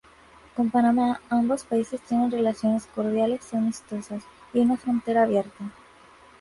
Con Panamá, ambos países tienen relaciones cordiales y amistosas, y una frontera abierta.